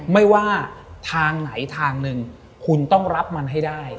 ไม่ว่าทางไหนทางหนึ่งคุณต้องรับมันให้ได้